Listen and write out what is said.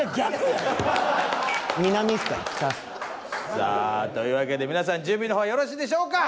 さあというわけで皆さん準備の方よろしいでしょうか。